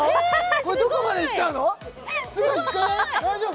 これどこまでいっちゃうの大丈夫？